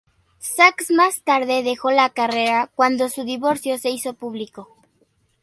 Sax más tarde dejó la carrera, cuando su divorcio se hizo público.